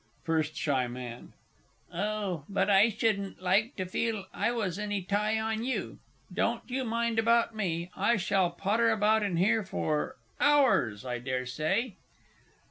FIRST S. M. Oh, but I shouldn't like to feel I was any tie on you. Don't you mind about me. I shall potter about in here for hours, I dare say.